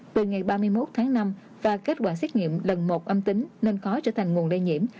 từ ngày ba mươi một tháng năm và kết quả xét nghiệm lần một âm tính nên khó trở thành nguồn lây nhiễm